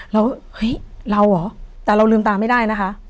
แล้วเฮ้ยเราเหรอแต่เราลืมตาไม่ได้นะคะ